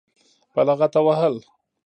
په لغته وهل.